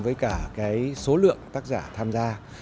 với cả cái số lượng tác giả tham gia